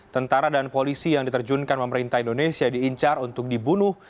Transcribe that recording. tentara dan polisi yang diterjunkan pemerintah indonesia diincar untuk dibunuh